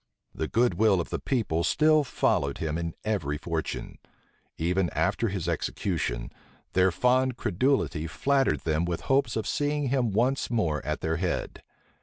The good will of the people still followed him in every fortune. Even after his execution, their fond credulity flattered them with hopes of seeing him once more at their head.